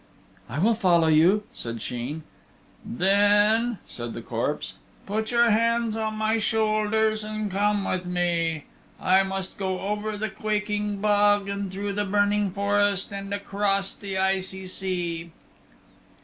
"I will follow you," said Sheen. "Then," said the corpse, "put your hands on my shoulders and come with me. I must go over the Quaking Bog, and through the Burning forest, and across the Icy Sea."